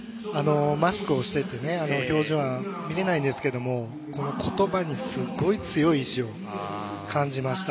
マスクをしていて表情は見れないんですけどことばにすごい強い意志を感じました。